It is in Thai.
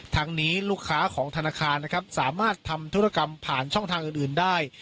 ทางนี้ลูกค้าของธนาคารนะครับสามารถทำธุรกรรมผ่านช่องทางอื่นได้